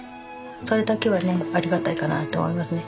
それだけはねありがたいかなとは思いますね。